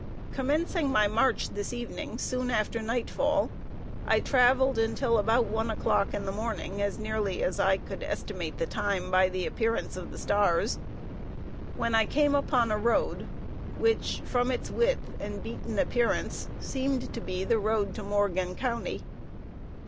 Commencing my march this evening soon after nightfall, I traveled until about one o'clock in the morning, as nearly as I could estimate the time by the appearance of the stars, when I came upon a road which, from its width and beaten appearance, seemed to be the road to Morgan County.